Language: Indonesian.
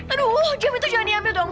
aduh jim itu jangan diambil dong